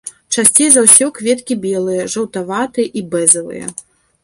Часцей за ўсё кветкі белыя, жаўтаватыя і бэзавыя.